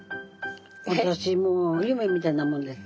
私もう夢みたいなもんです。